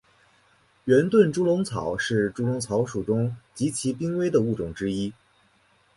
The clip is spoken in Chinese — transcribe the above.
圆盾猪笼草是猪笼草属中极其濒危的物种之一。